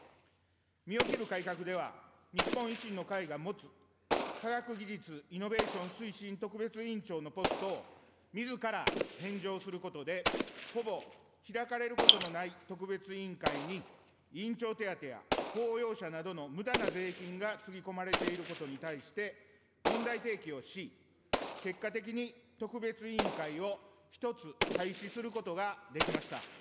身を切る改革では、日本維新の会が持つ科学技術・イノベーション推進特別委員長のポストをみずから返上することで、ほぼ開かれることのない特別委員会に委員長手当や公用車などのむだな税金がつぎ込まれていることに対して問題提起をし、結果的に特別委員会を一つ廃止することができました。